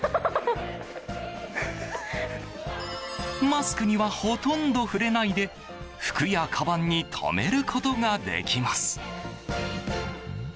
マスクにはほとんど触れないで服やかばんに留めることができます。